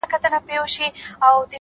پرمختګ د دوامداره هڅو نتیجه ده،